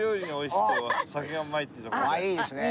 あっいいですね。